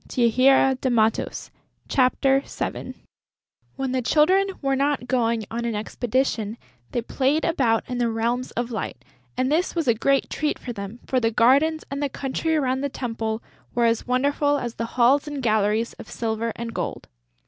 CHAPTER VII THE GRAVEYARD When the Children were not going on an expedition, they played about in the Realms of Light; and this was a great treat for them, for the gardens and the country around the temple were as wonderful as the halls and galleries of silver and gold.